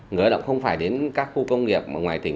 người lao động không phải đến các khu công nghiệp ngoài tỉnh